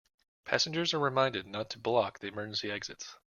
Passengers are reminded not to block the emergency exits.